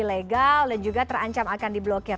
jadi akan dianggap ilegal dan juga terancam akan di blokir